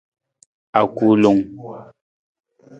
Akulung.